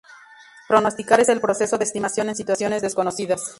Pronosticar es el proceso de estimación en situaciones desconocidas.